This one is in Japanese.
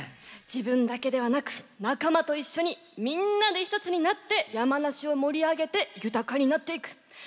自分だけではなく仲間と一緒にみんなで一つになって山梨を盛り上げて豊かになっていく。